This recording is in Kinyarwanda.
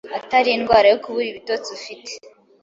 atari indwara yo kubura ibitotsi ufite.